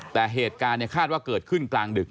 แต่เหตุการณ์คาดว่าเกิดขึ้นกลางดึก